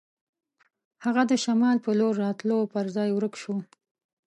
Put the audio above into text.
هغه د شمال په لور راتلو پر ځای ورک شو.